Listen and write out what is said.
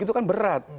itu kan berat